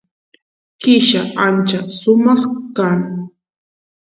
killa ancha sumaq kan